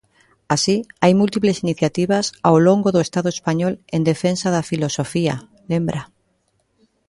Así, hai múltiples iniciativas ao longo do Estado español en defensa da filosofía, lembra.